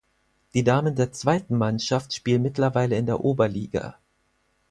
Die Damen der zweiten Mannschaft spielen mittlerweile in der Oberliga.